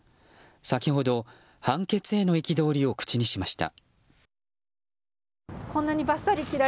先ほど判決への憤りを口にしました。